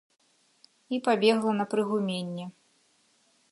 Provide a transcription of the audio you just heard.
І пабегла на прыгуменне.